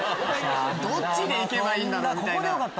どっちで行けばいいんだろう？みたいな。